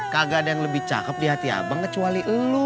kagak ada yang lebih cakep di hati abang kecuali lu